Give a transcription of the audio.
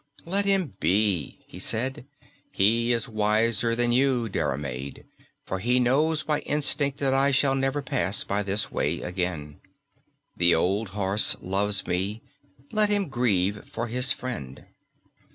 "Let him be," he said; "he is wiser than you, Diarmaid, for he knows by instinct that I shall never pass by this way again. The old horse loves me, let him grieve for his friend."